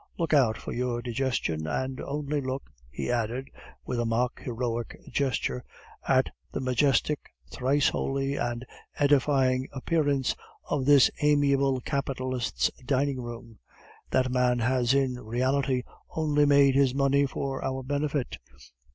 Look out for your digestion, and only look," he added, with a mock heroic gesture, "at the majestic, thrice holy, and edifying appearance of this amiable capitalist's dining room. That man has in reality only made his money for our benefit.